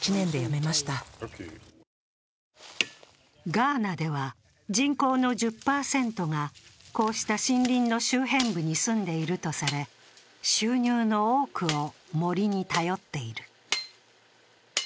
ガーナでは人口の１０％がこうした森林の周辺部に住んでいるとされ収入の多くを森に頼っている。